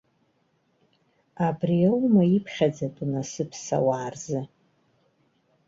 Абри аума иԥхьаӡатәу насыԥс ауаа рзы!